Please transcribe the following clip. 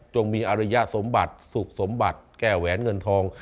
มีอริยสมบัติสุขสมบัติแก้แหวนเงินทอง